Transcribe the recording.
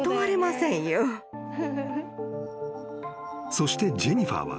［そしてジェニファーは］